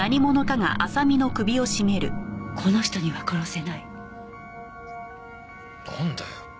この人には殺せないなんだよ？